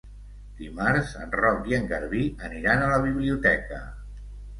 Dimarts en Roc i en Garbí aniran a la biblioteca.